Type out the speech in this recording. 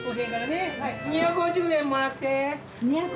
２５０円もらって。